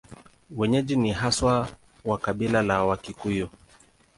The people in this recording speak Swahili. Wenyeji ni haswa wa kabila la Wakikuyu.